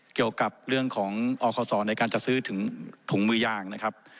เกี่ยวกับเรื่องของอคศในการจัดซื้อถึงถุงมือยางนะครับ